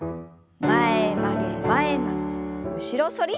前曲げ前曲げ後ろ反り。